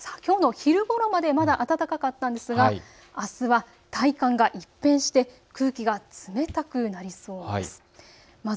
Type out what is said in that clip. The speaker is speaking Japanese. きょうの昼ごろまでまだ暖かかったんですがあすは体感が一変して空気が冷たくなりそうです。